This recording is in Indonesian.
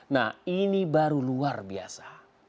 nah ini baru luar biasa